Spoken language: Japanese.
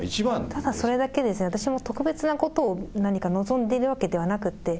ただそれだけですね、私も特別なことを何か望んでいるわけではなくて。